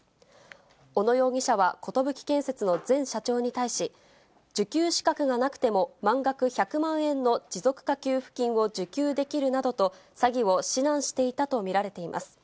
小野容疑者は寿建設の前社長に対し、受給資格がなくても、満額１００万円の持続化給付金を受給できるなどと、詐欺を指南していたと見られています。